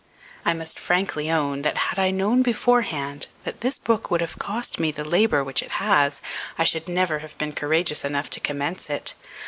I must frankly own, that if I had known, beforehand, that this book would have cost me the labour which it has, I should never have been courageous enough to commence it.